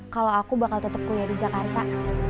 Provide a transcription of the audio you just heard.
kalau aku bakal tetap kuliah di jakarta